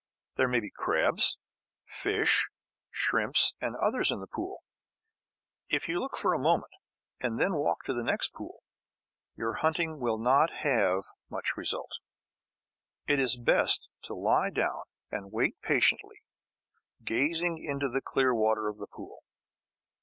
There may be crabs, fish, shrimps, and others in the pool. If you look for a moment, and then walk to the next pool, your hunting will not have much result. It is best to lie down and wait patiently, gazing into the clear water of the pool.